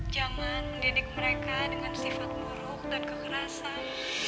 jangan mendidik mereka dengan sifat buruk dan kekerasan